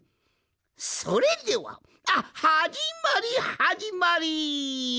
それではあっはじまりはじまり！